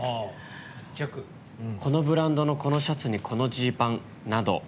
このブランドの、このシャツにこのジーパンなど。